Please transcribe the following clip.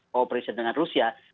cooperation dengan rusia